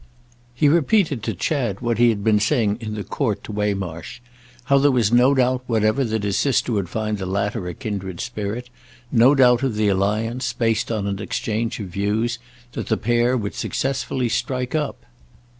He repeated to Chad what he had been saying in the court to Waymarsh; how there was no doubt whatever that his sister would find the latter a kindred spirit, no doubt of the alliance, based on an exchange of views, that the pair would successfully strike up.